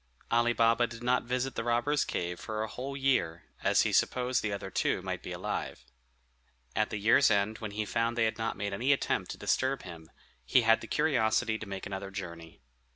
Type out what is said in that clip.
Ali Baba did not visit the robbers' cave for a whole year, as he supposed the other two might be alive. At the year's end, when he found they had not made any attempt to disturb him, he had the curiosity to make another journey.